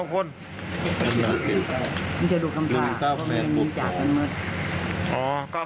ก็แนนนี้อยากกันเหมือน